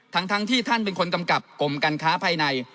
ทั้งที่ท่านเป็นคนกำกับกรมการค้าภายใน